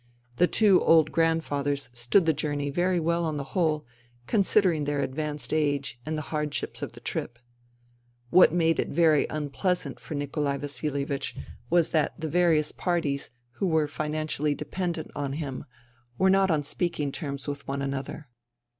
The two old grandfathers stood the journey very well on the whole, considering their advanced age and the hardships of the trip. What made it very unpleasant for Nikolai Vasilievich was that the various parties who were financially dependent 118 FUTILITY on him were not on speaking terms with one another.